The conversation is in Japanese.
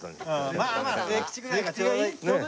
まあまあ末吉ぐらいがちょうどいい。